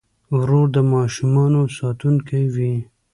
ورور د ماشومانو ساتونکی وي.